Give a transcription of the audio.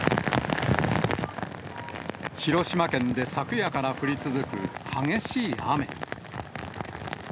広島県で昨夜から降り続く激しい雨。